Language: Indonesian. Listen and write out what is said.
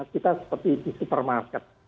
kita seperti di supermarket